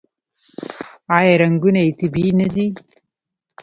آیا رنګونه یې طبیعي نه دي؟